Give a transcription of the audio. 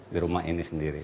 di rumah ini sendiri